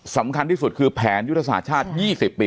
สำคัญที่สุดคือแผนยุทธศาสตร์ชาติ๒๐ปี